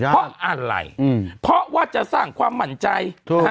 เพราะอะไรเพราะว่าจะสร้างความมั่นใจ